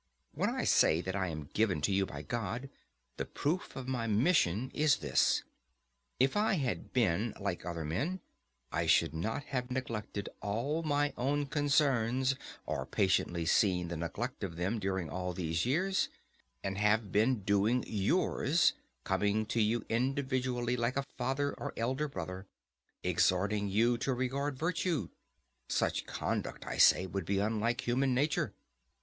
When I say that I am given to you by God, the proof of my mission is this:—if I had been like other men, I should not have neglected all my own concerns or patiently seen the neglect of them during all these years, and have been doing yours, coming to you individually like a father or elder brother, exhorting you to regard virtue; such conduct, I say, would be unlike human nature.